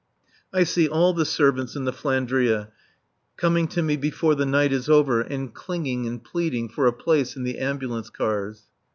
I see all the servants in the "Flandria" coming to me before the night is over, and clinging and pleading for a place in the ambulance cars.